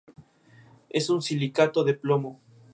Es un silicato de plomo.